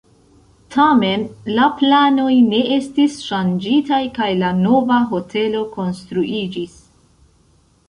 Tamen la planoj ne estis ŝanĝitaj kaj la nova hotelo konstruiĝis.